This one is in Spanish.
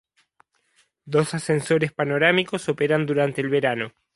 Dos ascensores panorámicos operan durante el verano.